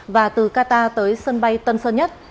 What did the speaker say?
và từ qatar tới sân bay tân sơn nhất